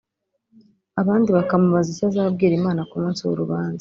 abandi bakamubaza ‘icyo azabwira Imana ku munsi w’urubanza’